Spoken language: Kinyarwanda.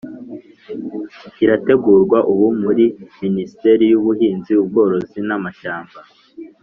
irategurwa ubu muri minisiteri y'ubuhinzi ubworozi n'amashyamba